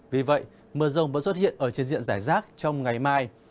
vì vậy mưa rông vẫn xuất hiện ở trên diện giải rác trong ngày mai